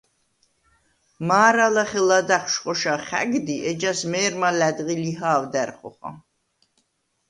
მა̄რა ლახე ლადაღშვ ხოშა ხა̈გდი, ეჯას მე̄რმა ლა̈დღი ლიჰა̄ვდა̈რ ხოხა.